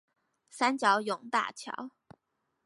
三角湧大橋